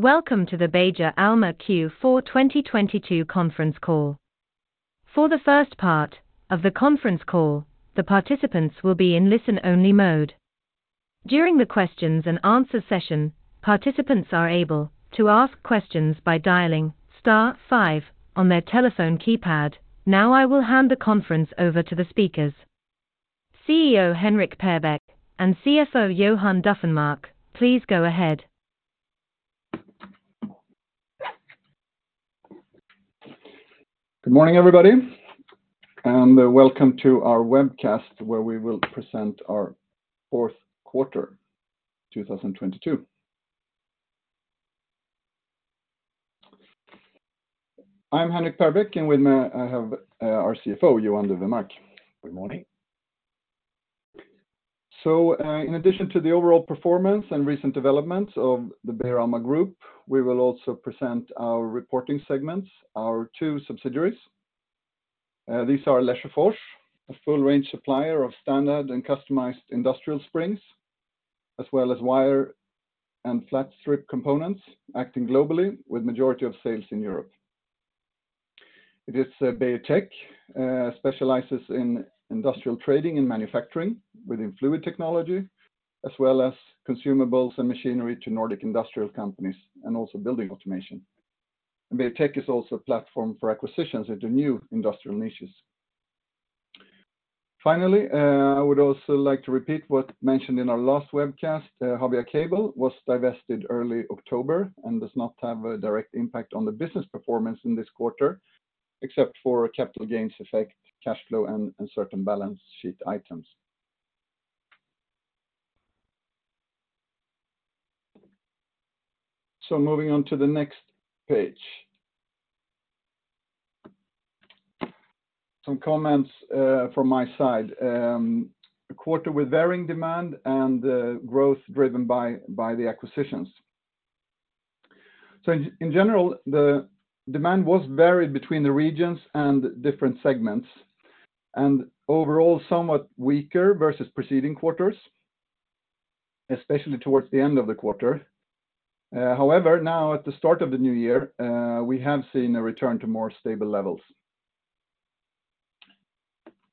Welcome to the Beijer Alma Q4 2022 conference call. For the first part of the conference call, the participants will be in listen-only mode. During the questions and answers session, participants are able to ask questions by dialing star 5 on their telephone keypad. I will hand the conference over to the speakers. CEO Henrik Perbäck and CFO Johan Dufvenmark, please go ahead. Good morning, everybody, and welcome to our webcast, where we will present our Q4, 2022. I'm Henrik Perbäck, and with me I have our CFO, Johan Dufvenmark. Good morning. In addition to the overall performance and recent developments of the Beijer Alma Group, we will also present our reporting segments, our two subsidiaries. These are Lesjöfors, a full range supplier of standard and customized industrial springs, as well as wire and flat strip components, acting globally with majority of sales in Europe. Beijer Tech specializes in industrial trading and manufacturing within fluid technology, as well as consumables and machinery to Nordic industrial companies and also building automation. Beijer Tech is also a platform for acquisitions into new industrial niches. Finally, I would also like to repeat what mentioned in our last webcast. Habia Cable was divested early October and does not have a direct impact on the business performance in this quarter, except for capital gains effect, cash flow, and certain balance sheet items. Moving on to the next page. Some comments from my side. A quarter with varying demand and growth driven by the acquisitions. In general, the demand was varied between the regions and different segments, and overall, somewhat weaker versus preceding quarters, especially towards the end of the quarter. However, now at the start of the new year, we have seen a return to more stable levels.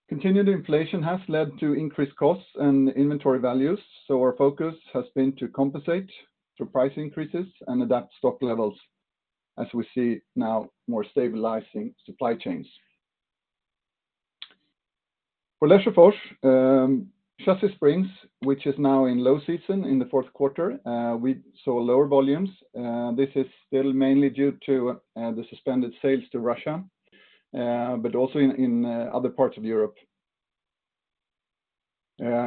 Continued inflation has led to increased costs and inventory values, our focus has been to compensate through price increases and adapt stock levels as we see now more stabilizing supply chains. For Lesjöfors, chassis springs, which is now in low season in the Q4, we saw lower volumes. This is still mainly due to the suspended sales to Russia, but also in other parts of Europe.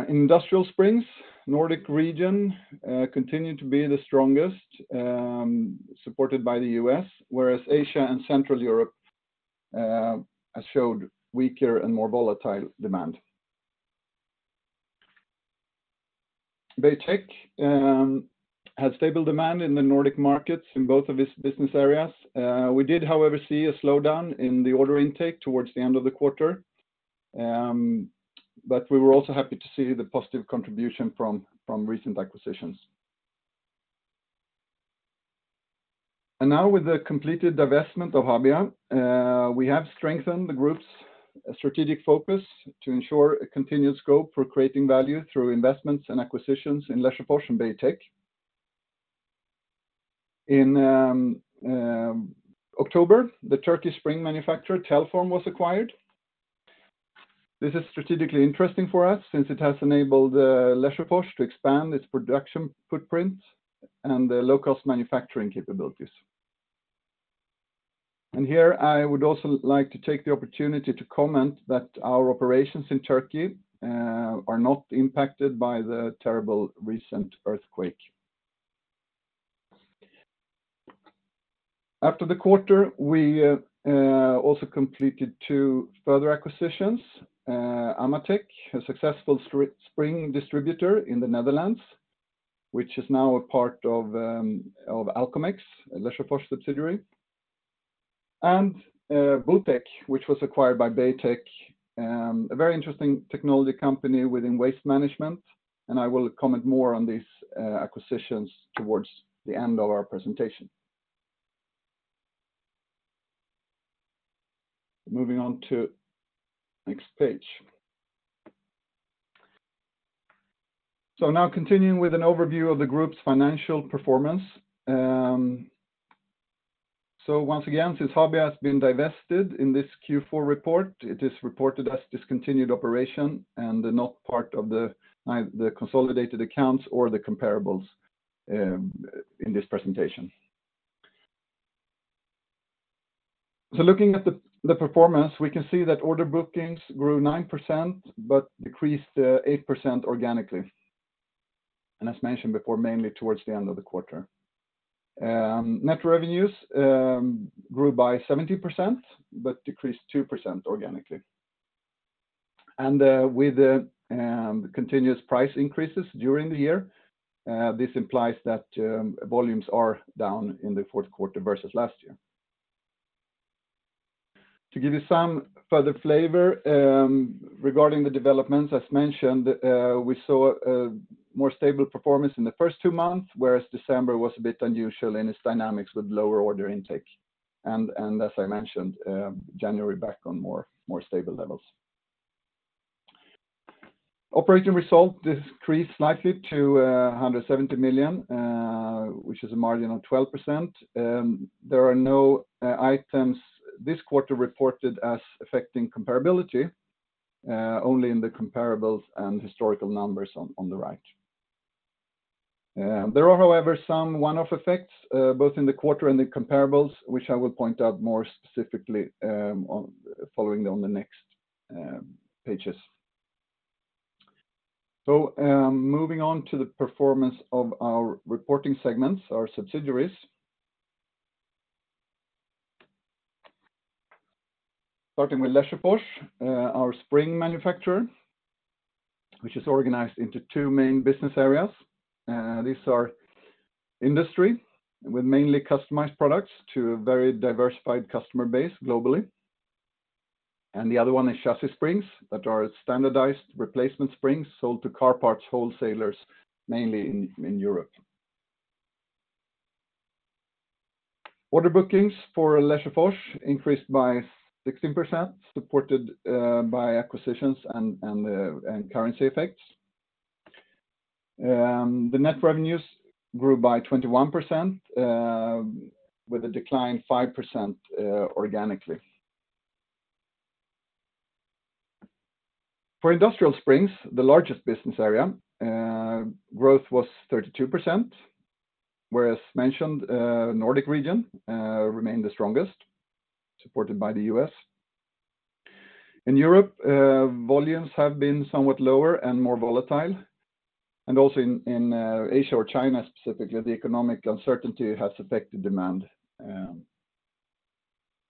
Industrial springs, Nordic region, continued to be the strongest, supported by the US, whereas Asia and Central Europe, has showed weaker and more volatile demand. Beijer Tech had stable demand in the Nordic markets in both of its business areas. We did, however, see a slowdown in the order intake towards the end of the quarter, we were also happy to see the positive contribution from recent acquisitions. Now with the completed divestment of Habia, we have strengthened the group's strategic focus to ensure a continued scope for creating value through investments and acquisitions in Lesjöfors and Beijer Tech. In October, the Turkey spring manufacturer, Telform, was acquired. This is strategically interesting for us since it has enabled Lesjöfors to expand its production footprint and the low-cost manufacturing capabilities. Here I would also like to take the opportunity to comment that our operations in Turkey are not impacted by the terrible recent earthquake. After the quarter, we also completed two further acquisitions. Amatec, a successful spring distributor in the Netherlands, which is now a part of Alcomex, a Lesjöfors subsidiary. Botek, which was acquired by Beijer Tech, a very interesting technology company within waste management. I will comment more on these acquisitions towards the end of our presentation. Moving on to next page. Now continuing with an overview of the group's financial performance. Once again, since Habia has been divested in this Q4 report, it is reported as discontinued operation and not part of the consolidated accounts or the comparables in this presentation. Looking at the performance, we can see that order bookings grew 9% but decreased 8% organically, as mentioned before, mainly towards the end of the quarter. Net revenues grew by 70% but decreased 2% organically. With the continuous price increases during the year, this implies that volumes are down in the Q4 versus last year. To give you some further flavor, regarding the developments as mentioned, we saw a more stable performance in the first two months, whereas December was a bit unusual in its dynamics with lower order intake. As I mentioned, January back on more stable levels. Operating result decreased slightly to 170 million, which is a margin of 12%. There are no items this quarter reported as affecting comparability, only in the comparables and historical numbers on the right. There are however some one-off effects, both in the quarter and the comparables, which I will point out more specifically, following on the next pages. Moving on to the performance of our reporting segments, our subsidiaries. Starting with Lesjöfors, our spring manufacturer, which is organized into two main business areas. These are industry with mainly customized products to a very diversified customer base globally. And the other one is chassis springs, that are standardized replacement springs sold to car parts wholesalers, mainly in Europe. Order bookings for Lesjöfors increased by 16%, supported by acquisitions and currency effects. The net revenues grew by 21%, with a decline 5% organically. For industrial springs, the largest business area, growth was 32%, whereas mentioned, Nordic region remained the strongest, supported by the US. In Europe, volumes have been somewhat lower and more volatile, and also in Asia or China specifically, the economic uncertainty has affected demand.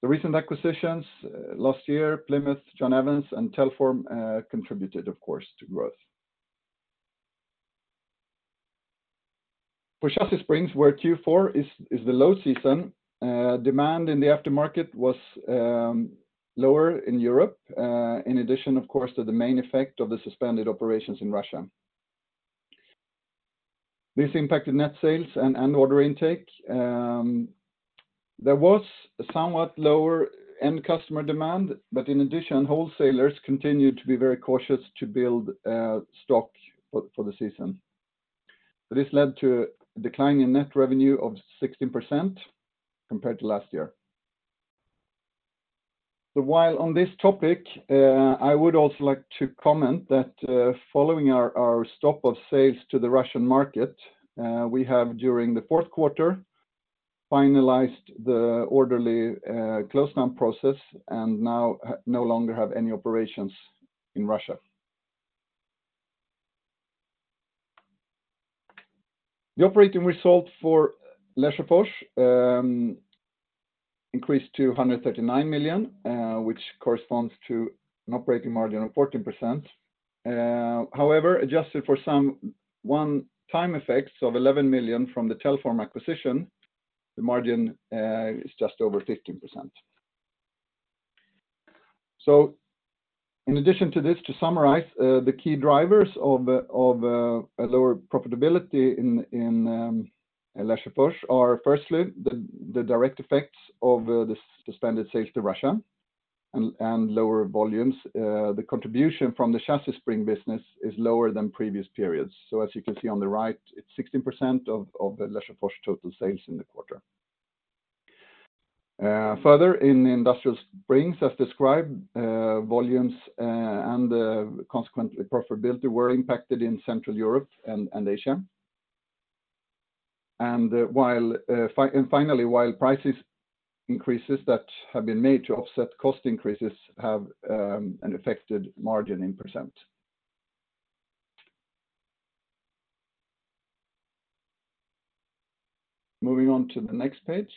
The recent acquisitions last year, Plymouth, John Evans, and Telform, contributed of course to growth. For chassis springs, where Q4 is the low season, demand in the aftermarket was lower in Europe, in addition of course to the main effect of the suspended operations in Russia. This impacted net sales and order intake. There was somewhat lower end customer demand, but in addition, wholesalers continued to be very cautious to build stock for the season. This led to a decline in net revenue of 16% compared to last year. While on this topic, I would also like to comment that following our stop of sales to the Russian market, we have during the Q4 finalized the orderly close down process and now no longer have any operations in Russia. The operating result for Lesjöfors increased to 139 million, which corresponds to an operating margin of 14%. However, adjusted for some one-time effects of 11 million from the Telform acquisition, the margin is just over 15%. In addition to this, to summarize, the key drivers of a lower profitability in Lesjöfors are firstly the direct effects of the suspended sales to Russia and lower volumes. The contribution from the chassis spring business is lower than previous periods. As you can see on the right, it's 16% of Lesjöfors total sales in the quarter. Further in industrial springs as described, volumes and consequently profitability were impacted in Central Europe and Asia. While finally, while prices increases that have been made to offset cost increases have an affected margin in percent. Moving on to the next page,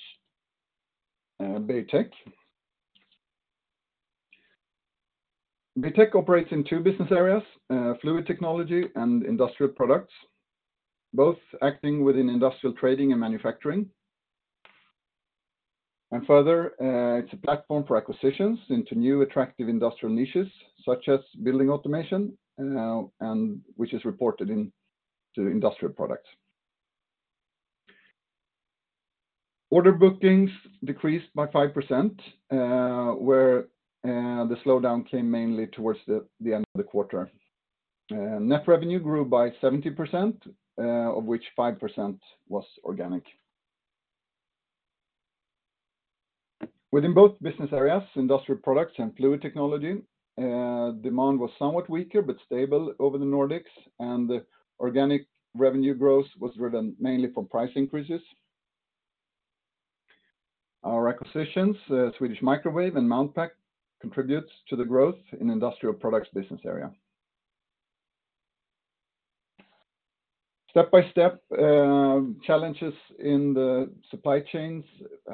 Beijer Tech. Beijer Tech operates in two business areas, fluid technology and industrial products, both acting within industrial trading and manufacturing. Further, it's a platform for acquisitions into new attractive industrial niches such as building automation, and which is reported in to industrial products. Order bookings decreased by 5%, where the slowdown came mainly towards the end of the quarter. Net revenue grew by 17%, of which 5% was organic. Within both business areas, industrial products and fluid technology, demand was somewhat weaker but stable over the Nordics, and the organic revenue growth was driven mainly from price increases. Our acquisitions, Swedish Microwave and Mountpac contributes to the growth in industrial products business area. Step by step, challenges in the supply chains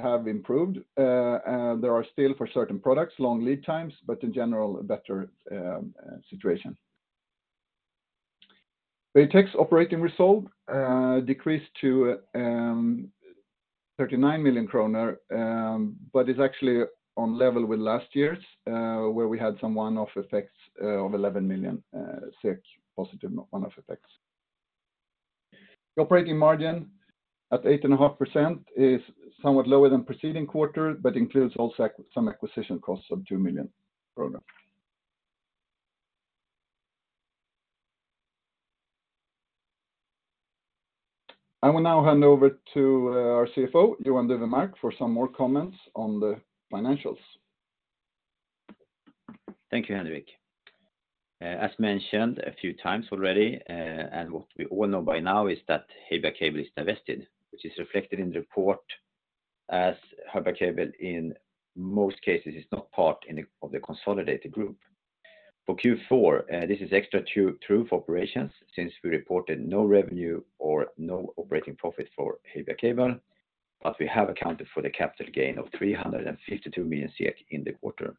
have improved. There are still for certain products long lead times, but in general a better situation. Beijer Tech's operating result decreased to 39 million kronor, but is actually on level with last year's, where we had some 11 million positive one-off effects. The operating margin at 8.5% is somewhat lower than preceding quarter, but includes also some acquisition costs of 2 million. I will now hand over to our CFO, Johan Dufvenmark, for some more comments on the financials. Thank you, Henrik. As mentioned a few times already, what we all know by now is that Habia Cable is divested, which is reflected in the report as Habia Cable in most cases is not part of the consolidated group. For Q4, this is extra true for operations since we reported no revenue or no operating profit for Habia Cable, but we have accounted for the capital gain of 352 million in the quarter.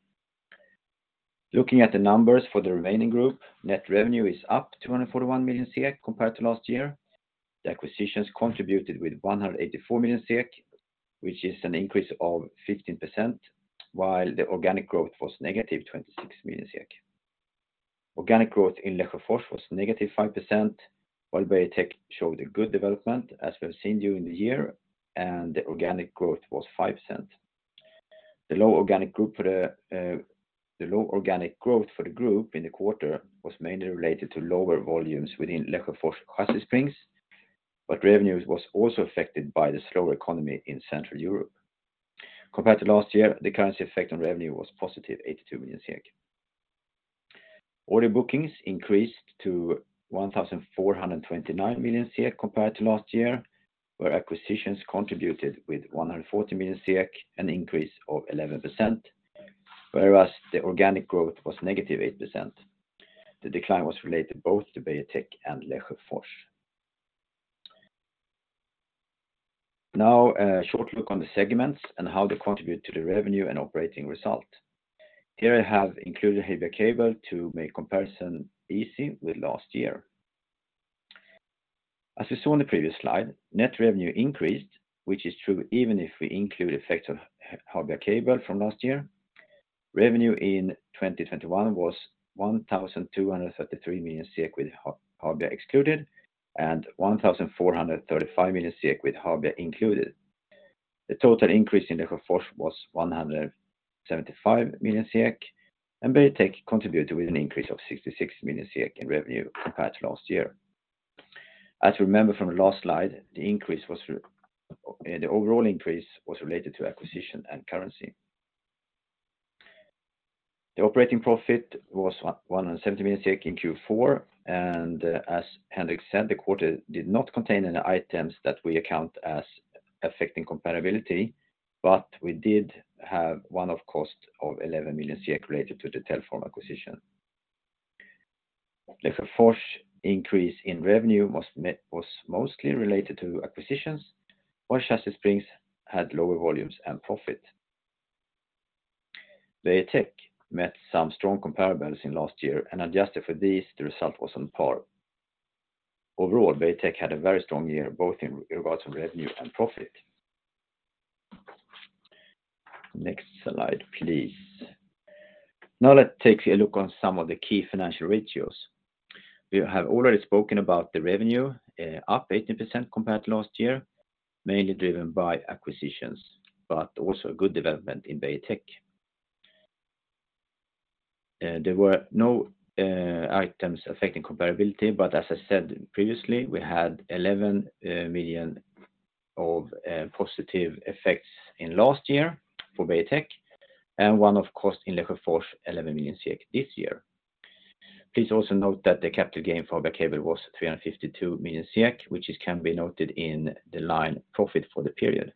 Looking at the numbers for the remaining group, net revenue is up 241 million SEK compared to last year. The acquisitions contributed with 184 million SEK, which is an increase of 15%, while the organic growth was -26 million SEK. Organic growth in Lesjöfors was negative 5%, while Beijer Tech showed a good development as we have seen during the year, the organic growth was 5%. The low organic growth for the group in the quarter was mainly related to lower volumes within Lesjöfors and chassis springs, revenues was also affected by the slower economy in Central Europe. Compared to last year, the currency effect on revenue was positive 82 million. Order bookings increased to 1,429 million compared to last year, where acquisitions contributed with 140 million, an increase of 11%, whereas the organic growth was negative 8%. The decline was related both to Beijer Tech and Lesjöfors. A short look on the segments and how they contribute to the revenue and operating result. Here I have included Habia Cable to make comparison easy with last year. As we saw on the previous slide, net revenue increased, which is true even if we include effects of Habia Cable from last year. Revenue in 2021 was 1,233 million SEK with Habia excluded, and 1,435 million SEK with Habia included. The total increase in Lesjöfors was 175 million SEK, and Beijer Tech contributed with an increase of 66 million SEK in revenue compared to last year. As you remember from the last slide, the overall increase was related to acquisition and currency. The operating profit was 170 million SEK in Q4, as Henrik said, the quarter did not contain any items that we account as affecting comparability, but we did have one-off cost of 11 million related to the Telform acquisition. Lesjöfors increase in revenue was mostly related to acquisitions, while chassis springs had lower volumes and profit. Beijer Tech met some strong comparables in last year, adjusted for these, the result was on par. Overall, Beijer Tech had a very strong year, both in regards to revenue and profit. Next slide, please. Now let's take a look on some of the key financial ratios. We have already spoken about the revenue, up 18% compared to last year, mainly driven by acquisitions, but also good development in Beijer Tech. There were no items affecting comparability, but as I said previously, we had 11 million of positive effects in last year for Beijer Tech and one-off cost in Lesjöfors, 11 million this year. Please also note that the capital gain for Habia Cable was 352 million, which is can be noted in the line profit for the period.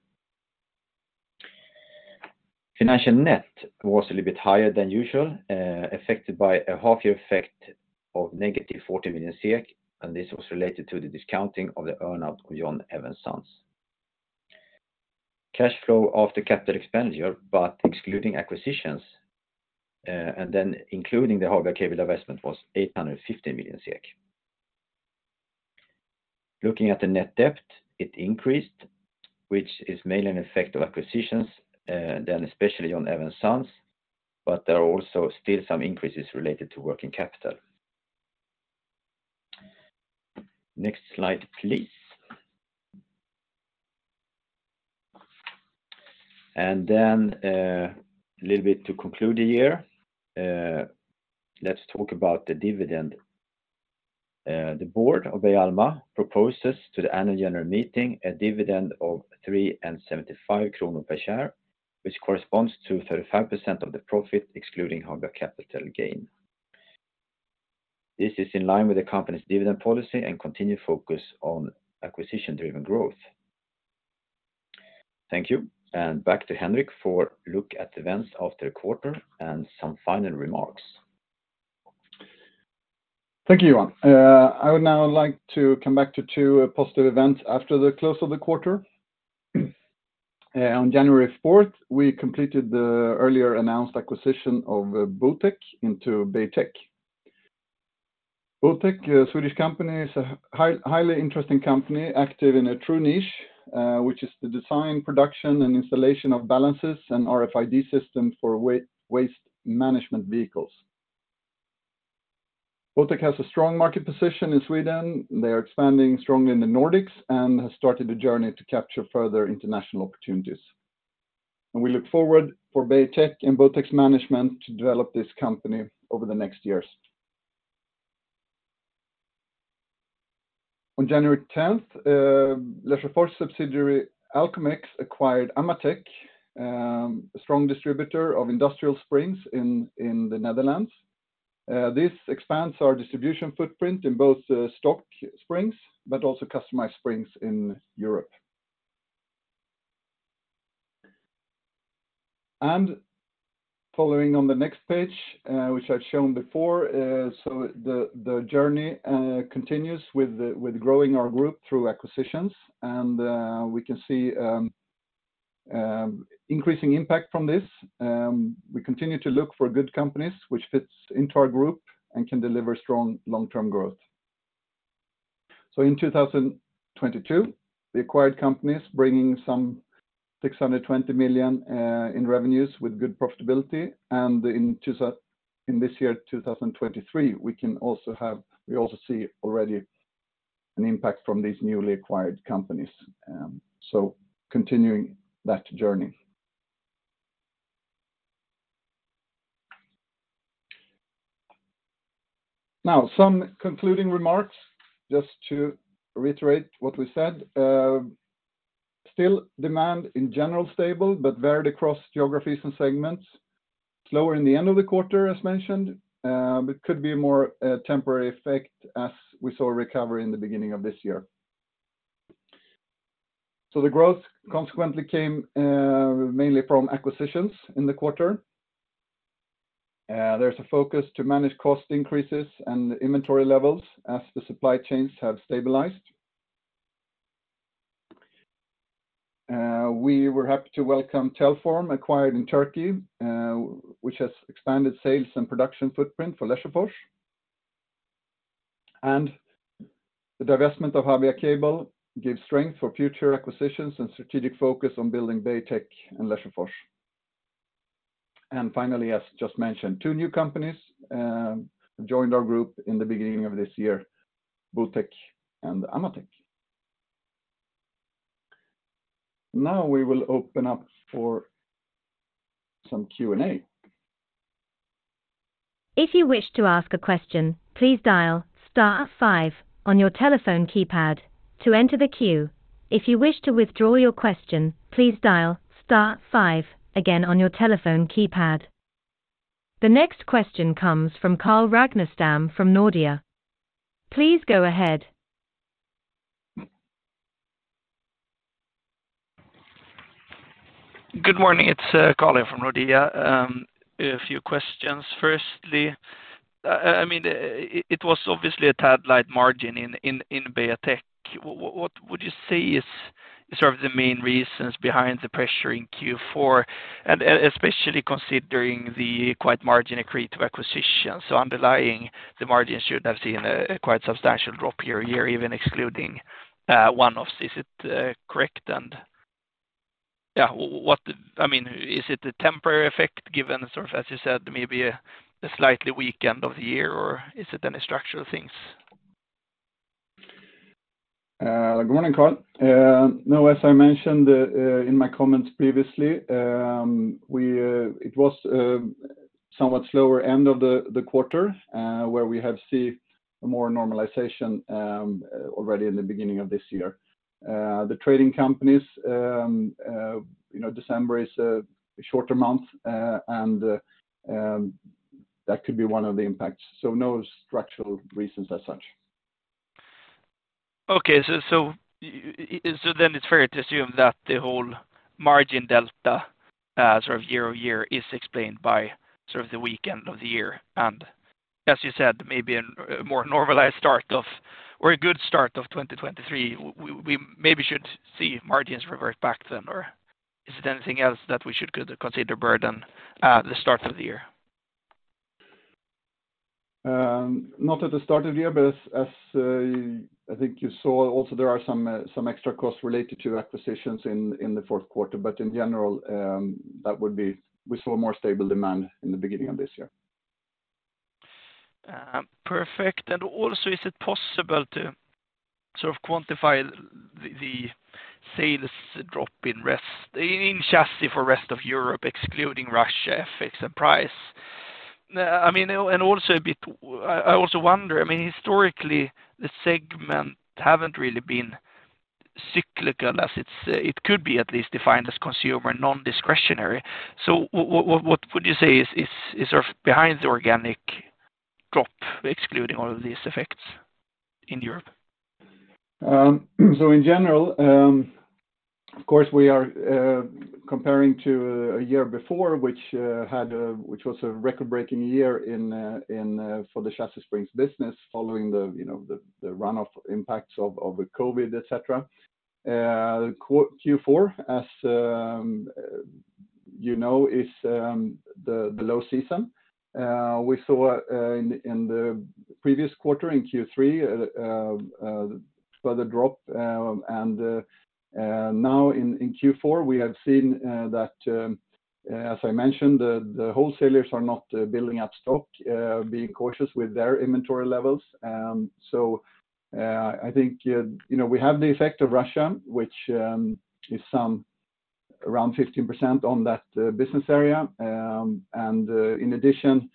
Financial net was a little bit higher than usual, affected by a half year effect of negative 40 million. This was related to the discounting of the earn-out of John Evans' Sons. Cash flow after capital expenditure, but excluding acquisitions, and then including the Habia Cable divestment was 850 million. Looking at the net debt, it increased, which is mainly an effect of acquisitions, then especially on Evans Sons, but there are also still some increases related to working capital. Next slide, please. A little bit to conclude the year, let's talk about the dividend. The board of Beijer Alma proposes to the annual general meeting a dividend of 3.75 kronor per share, which corresponds to 35% of the profit excluding Habia capital gain. This is in line with the company's dividend policy and continued focus on acquisition-driven growth. Thank you, and back to Henrik for a look at events after the quarter and some final remarks. Thank you, Johan. I would now like to come back to two positive events after the close of the quarter. On January 4th, we completed the earlier announced acquisition of Botek into Beijer Tech. Botek, a Swedish company, is a highly interesting company active in a true niche, which is the design, production, and installation of balances and RFID systems for waste management vehicles. Botek has a strong market position in Sweden. They are expanding strongly in the Nordics and have started a journey to capture further international opportunities. We look forward for Beijer Tech and Botek's management to develop this company over the next years. On January 10th, Lesjöfors subsidiary Alcomex acquired Amatec, a strong distributor of industrial springs in the Netherlands. This expands our distribution footprint in both stock springs, but also customized springs in Europe. Following on the next page, which I've shown before, the journey continues with growing our group through acquisitions. We can see increasing impact from this. We continue to look for good companies which fits into our group and can deliver strong long-term growth. In 2022, we acquired companies bringing some 620 million in revenues with good profitability. In this year, 2023, We also see already an impact from these newly acquired companies. Continuing that journey. Some concluding remarks, just to reiterate what we said. Still demand in general stable but varied across geographies and segments. Slower in the end of the quarter, as mentioned, could be more a temporary effect as we saw a recovery in the beginning of this year. The growth consequently came mainly from acquisitions in the quarter. There's a focus to manage cost increases and inventory levels as the supply chains have stabilized. We were happy to welcome Telform acquired in Turkey, which has expanded sales and production footprint for Lesjöfors. The divestment of Habia Cable gives strength for future acquisitions and strategic focus on building Beijer Tech and Lesjöfors. Finally, as just mentioned, two new companies joined our group in the beginning of this year, Botek and Amatec. We will open up for some Q&A. If you wish to ask a question, please dial star 5 on your telephone keypad to enter the queue. If you wish to withdraw your question, please dial star 5 again on your telephone keypad. The next question comes from Carl Ragnerstam from Nordea. Please go ahead. Good morning. It's Carl here from Nordea. A few questions. Firstly, I mean, it was obviously a tad light margin in Beijer Tech. What would you say is sort of the main reasons behind the pressure in Q4, especially considering the quite margin accretive acquisition? Underlying the margin should have seen a quite substantial drop year-on-year, even excluding one-offs. Is it correct? I mean, is it a temporary effect given sort of, as you said, maybe a slightly weak end of the year, or is it any structural things? Good morning, Carl. No, as I mentioned in my comments previously, it was somewhat slower end of the quarter, where we have seen more normalization already in the beginning of this year. The trading companies, you know, December is a shorter month, and that could be one of the impacts. No structural reasons as such. Okay. Then it's fair to assume that the whole margin delta, sort of year-over-year is explained by sort of the weak end of the year. As you said, maybe a more normalized start of or a good start of 2023, we maybe should see margins revert back then, or is it anything else that we should consider burden, the start of the year? Not at the start of the year, but as, I think you saw also there are some extra costs related to acquisitions in the Q4. In general, we saw more stable demand in the beginning of this year. Perfect. Is it possible to sort of quantify the sales drop in chassis for rest of Europe, excluding Russia, FX and price? I mean, I also wonder, I mean, historically, the segment haven't really been cyclical as it could be at least defined as consumer non-discretionary. What would you say is sort of behind the organic drop, excluding all of these effects in Europe? In general, of course, we are comparing to a year before, which had a record-breaking year in for the Chassis Springs business following the, you know, the runoff impacts of COVID. Q4, as, you know, is the low season. We saw in the previous quarter, in Q3, a further drop, and now in Q4, we have seen that, as I mentioned, the wholesalers are not building up stock, being cautious with their inventory levels. I think, you know, we have the effect of Russia, which is some around 15% on that business area. In addition,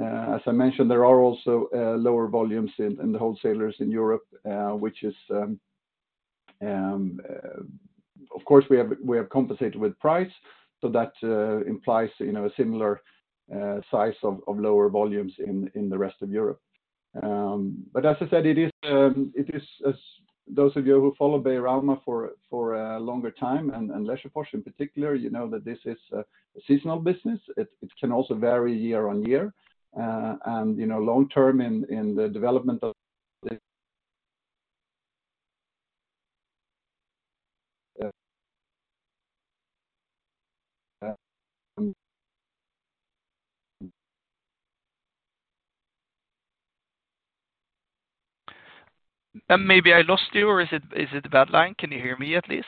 as I mentioned, there are also lower volumes in the wholesalers in Europe, which is, of course we have compensated with price. That implies, you know, a similar size of lower volumes in the rest of Europe. As I said, it is as those of you who follow Beijer Alma for a longer time and Lesjöfors in particular, you know that this is a seasonal business. It can also vary year-on-year, and, you know, long-term in the development of the... Maybe I lost you, or is it a bad line? Can you hear me at least?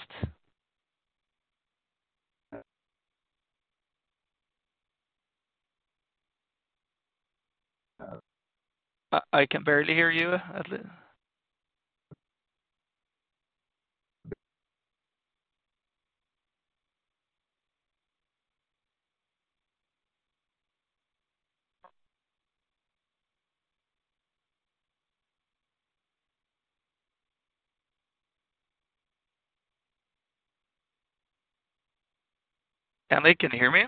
Uh. I can barely hear you. Henrik, can you hear me?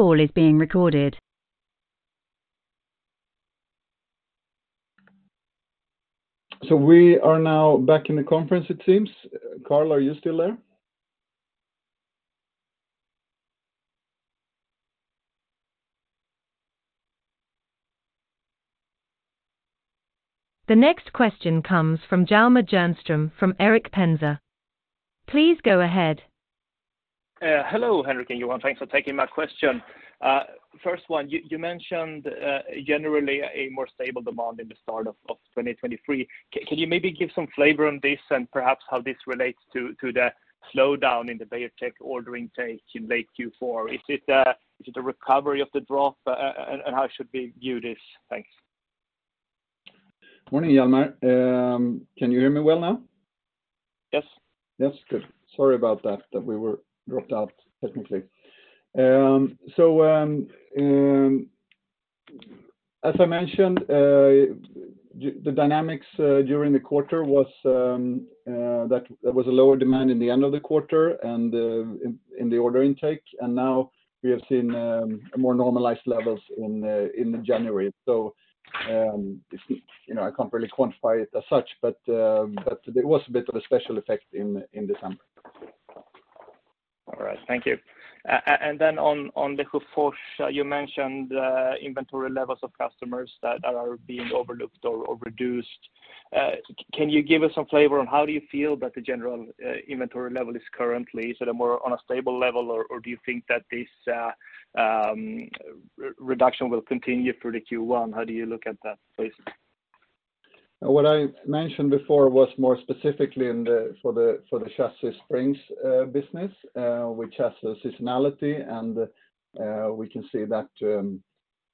This call is being recorded. We are now back in the conference, it seems. Carl, are you still there? The next question comes from Hjalmar Jernström from Erik Penser Bank. Please go ahead. Hello, Henrik and Johan. Thanks for taking my question. First one, you mentioned generally a more stable demand in the start of 2023. Can you maybe give some flavor on this and perhaps how this relates to the slowdown in the Beijer Tech ordering take in late Q4? Is it a recovery of the drop, and how should we view this? Thanks. Morning, Hjalmar. Can you hear me well now? Yes. Yes? Good. Sorry about that we were dropped out technically. As I mentioned, the dynamics during the quarter was that there was a lower demand in the end of the quarter and in the order intake. Now we have seen more normalized levels in January. If, you know, I can't really quantify it as such, but it was a bit of a special effect in December. All right. Thank you. Then on the Hofors, you mentioned inventory levels of customers that are being overlooked or reduced. Can you give us some flavor on how do you feel that the general inventory level is currently? Is it a more on a stable level, or do you think that this reduction will continue through the Q1? How do you look at that space? What I mentioned before was more specifically in the chassis springs business which has a seasonality and we can see that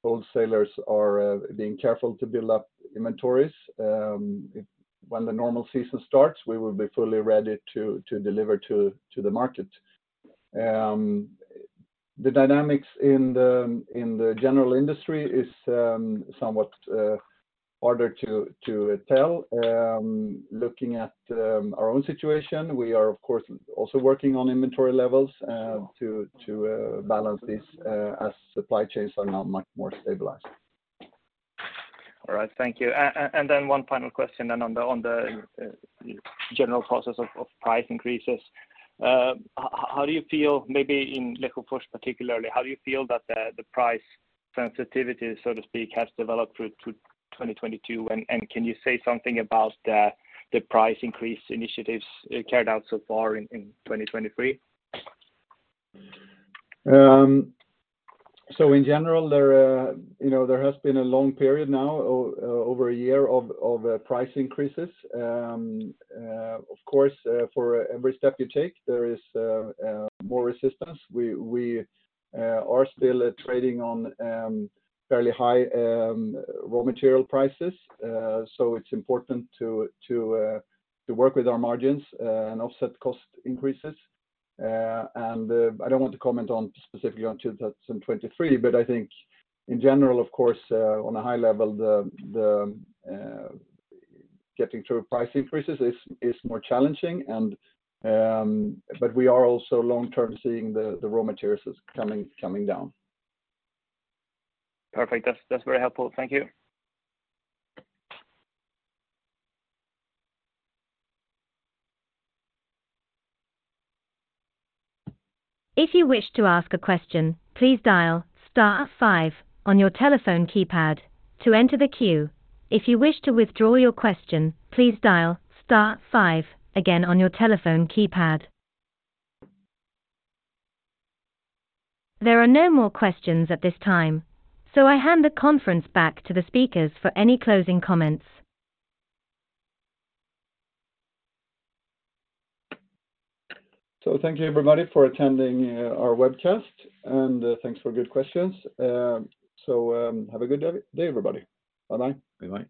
wholesalers are being careful to build up inventories. When the normal season starts, we will be fully ready to deliver to the market. The dynamics in the general industry is somewhat harder to tell. Looking at our own situation, we are of course, also working on inventory levels to balance this as supply chains are now much more stabilized. All right. Thank you. Then one final question then on the general process of price increases. How do you feel maybe in the Hofors particularly, how do you feel that the price sensitivity, so to speak, has developed through to 2022? Can you say something about the price increase initiatives carried out so far in 2023? In general there, you know, there has been a long period now over a year of price increases. Of course, for every step you take, there is more resistance. We are still trading on fairly high raw material prices. It's important to work with our margins and offset cost increases. I don't want to comment on specifically on 2023, but I think in general of course, on a high level, the getting through price increases is more challenging. We are also long term seeing the raw materials coming down. Perfect. That's very helpful. Thank you. If you wish to ask a question, please dial star five on your telephone keypad to enter the queue. If you wish to withdraw your question, please dial star five again on your telephone keypad. There are no more questions at this time, so I hand the conference back to the speakers for any closing comments. Thank you everybody for attending, our webcast, and thanks for good questions. Have a good day everybody. Bye-bye. Bye-bye.